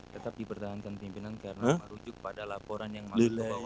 tetap dipertahankan pimpinan karena merujuk pada laporan yang masuk ke bawah